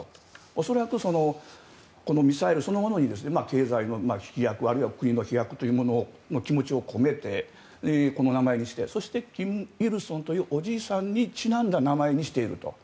恐らく、ミサイルそのものに経済の飛躍、国の飛躍を込めてこの名前にしてそして、金日成というお父さんにちなんだ名前にしていると。